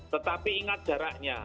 tetapi ingat jaraknya